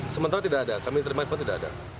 sementara tidak ada kami terima handphone tidak ada